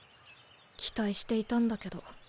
期待していたんだけど。